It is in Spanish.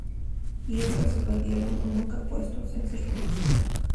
Y otros se perdieron o nunca puestos en circulación.